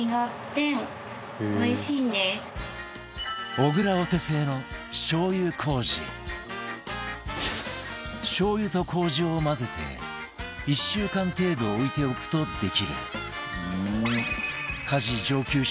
小倉しょう油と麹を混ぜて１週間程度置いておくとできる